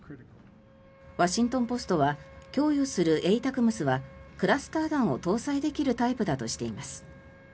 ワシントン・ポストは供与するＡＴＡＣＭＳはクラスター弾を搭載できるタイプだとしています。